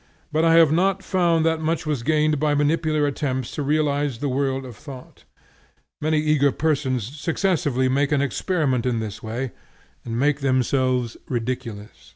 But I have not found that much was gained by manipular attempts to realize the world of thought. Many eager persons successively make an experiment in this way, and make themselves ridiculous.